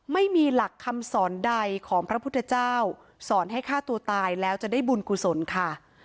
ไม่มีหลักคำสอนใดของพระพุทธเจ้าสอนให้ฆ่าตัวตายแล้วจะได้บุญกุศลค่ะ